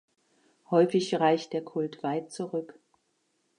Häufig reicht der Kult weit zurück.